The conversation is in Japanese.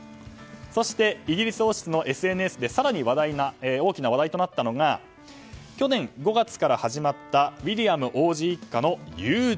そしてイギリス王室のＳＮＳで大きな話題となったのが去年５月から始まったウィリアム王子一家のＹｏｕＴｕｂｅ。